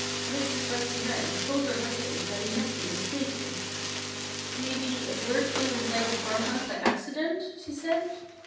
Mrs. Rusty Wren told her husband that he must be mistaken. "Maybe a bird flew inside the farmhouse by accident," she said.